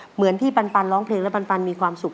เหมือนที่ปันร้องเพลงแล้วปันมีความสุข